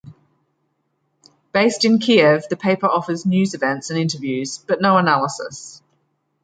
Based in Kiev, the paper offers news events and interviews, but no analysis.